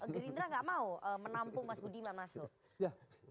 geridra tidak mau menampung mas budiman masuk